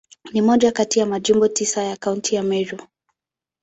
Ni moja kati ya Majimbo tisa ya Kaunti ya Meru.